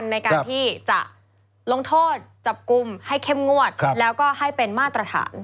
ในการที่จะลงโทษจับกลุ่มให้เข้มงวดแล้วก็ให้เป็นมาตรฐาน